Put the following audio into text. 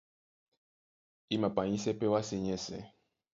I mapanyísɛ́ pɛ́ wásē nyɛ́sɛ̄.